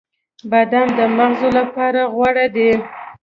• بادام د مغزو لپاره غوره دی.